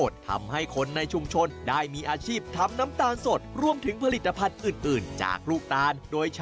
สปัดทั่วไทย